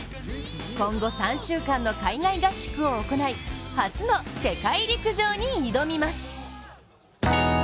今後、３週間の海外合宿を行い初の世界陸上に挑みます。